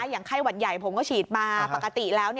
อย่างไข้หวัดใหญ่ผมก็ฉีดมาปกติแล้ว